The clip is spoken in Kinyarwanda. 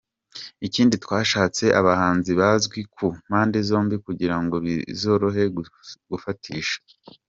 Ikindi twashatse abahanzi bazwi ku mpande zombi kugirango bizorohe gufatisha.